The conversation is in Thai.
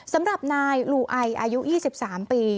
สำหรับนายลูไออายุ๒๓ปี